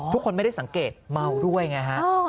ทุกคนไม่ได้สังเกตเมาด้วยไงฮะ